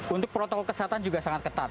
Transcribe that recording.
untuk protokol kesehatan juga sangat ketat